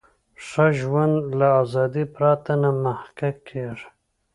ښه ژوند له ازادۍ پرته نه محقق کیږي.